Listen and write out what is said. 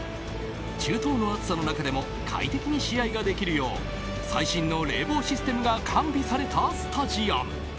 中東の暑さの中でも快適に試合ができるよう最新の冷房システムが完備されたスタジアム。